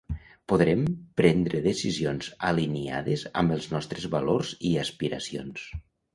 podrem prendre decisions aliniades amb els nostres valors i aspiracions